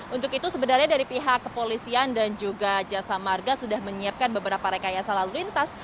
untuk itu sebenarnya dari pihak kepolisian dan juga jasa marga sudah menyiapkan beberapa rekayasa lalu lintas